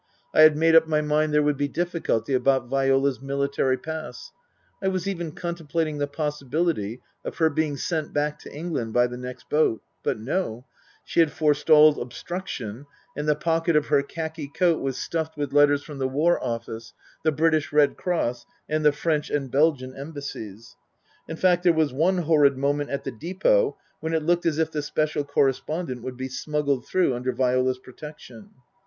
I had made up my mind there would be difficulty about Viola's military pass, I was even con templating the possibility of her being sent back to England by the next boat ; but no ; she had forestalled obstruction, and the pocket of her khaki coat was stuffed with letters from the War Office, the British Red Cross, and the French and Belgian Embassies. In fact, there was one horrid moment at the depot when it looked as if the Special Correspondent would be smuggled through under Viola's protection.